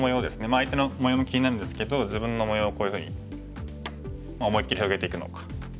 まあ相手の模様も気になるんですけど自分の模様をこういうふうに思いっきり広げていくのか。